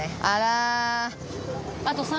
あら。